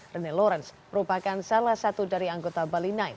rene lawrence merupakan salah satu dari anggota bali sembilan